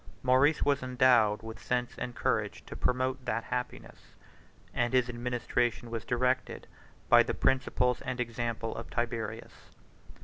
Maurice was endowed with sense and courage to promote that happiness, and his administration was directed by the principles and example of Tiberius.